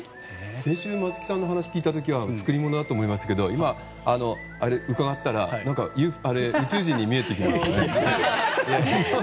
先週、松木さんのお話を聞いた時は作り物って思いましたけど今、伺ったら宇宙人に見えてきましたね。